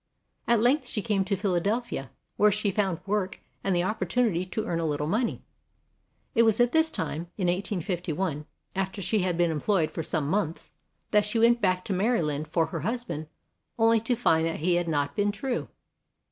At length she came to Philadelphia, where she found work and the opportunity to earn a little money. It was at this time, in 1851, after she had been em ployed for some months, that she went back to Maryland for her husband only to find that he had not been true.